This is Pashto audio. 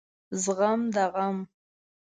زغم د غم